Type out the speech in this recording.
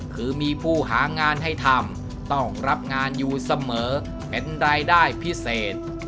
คือมีผู้หางานให้ทำต้องรับงานอยู่เสมอเป็นรายได้พิเศษ